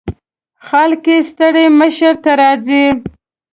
خلک یې ستړي مشي ته راځي.